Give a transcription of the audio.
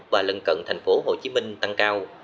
và lân cận tp hcm tăng cao